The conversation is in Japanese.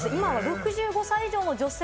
６５歳以上の女性